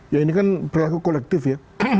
ini kan perlaku kolektif ya